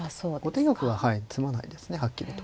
後手玉ははい詰まないですねはっきりと。